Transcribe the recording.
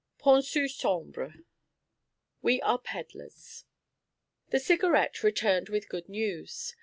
PONT SUR SAMBRE WE ARE PEDLARS THE Cigarette returned with good news.